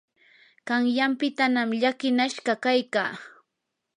qanyanpitanam llakinashqa kaykaa.